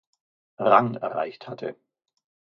Rang erreicht hatte.